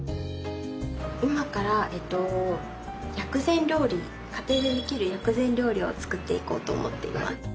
今から薬膳料理家庭でできる薬膳料理を作っていこうと思っています。